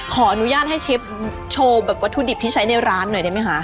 ขออนุญาตให้เชฟโชว์แบบวัตถุดิบที่ใช้ในร้านหน่อยได้ไหมคะ